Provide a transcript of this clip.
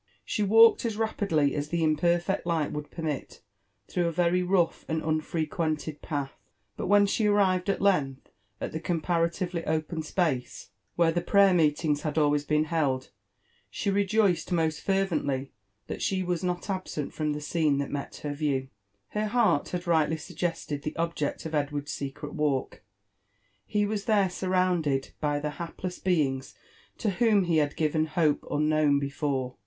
She walked as rapidly as the imperfect light would permit through a tery ^ongh and u'nfrequcnted pialh ; but when she arrived at length at the conrtparatrvety open spac6 wherfc the prayer meetings had always been held, she rejoiced most fervently that she was not absent Irortt the scene that met iiervreW. Her heart had rightly suggested the object of Ed^ard'sSecret w ilk — he Was there scif founded by the hapless being^ to whoiA he had gtv^n hope unknown before.